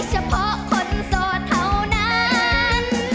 เฉพาะคนโสดเท่านั้น